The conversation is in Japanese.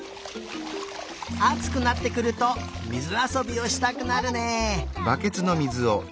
あつくなってくるとみずあそびをしたくなるね。